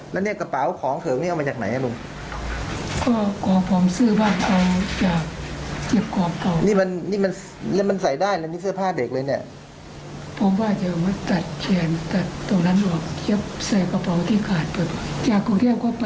แล้วนี่เสื้อผ้าเด็กเลยเนี่ย